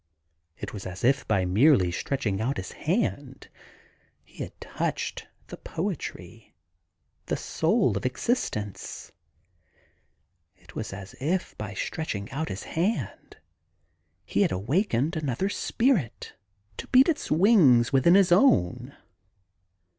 It was as if by merely stretching out his hand he had touched the poetry, the soul of existence; it was as if by stretching out his hand he had awakened another spirit to beat its wings within his own.